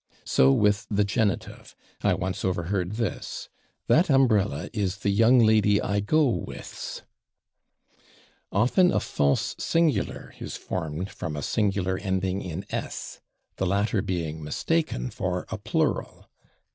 So with the genitive. I once overheard this: "that umbrella is /the young lady I go with's/." Often a false singular is formed from a singular ending in /s/, the latter being mistaken for a plural.